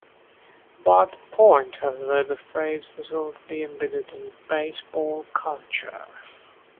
By that point, however, the phrase was already embedded in baseball culture.